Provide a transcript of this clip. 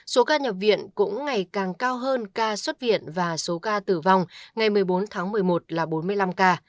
số ca nhập viện cũng ngày càng cao hơn ca xuất viện và số ca tử vong ngày một mươi bốn tháng một mươi một là bốn mươi năm ca